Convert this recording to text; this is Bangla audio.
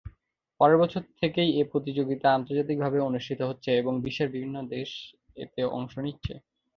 পরের বছর থেকেই এ প্রতিযোগিতা আন্তর্জাতিক ভাবে অনুষ্ঠিত হচ্ছে এবং বিশ্বের বিভিন্ন দেশ এতে অংশ নিচ্ছে।